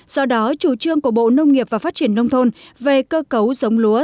do đó chủ trương của bộ nông nghiệp và phát triển nông thôn về cơ cấu giống lúa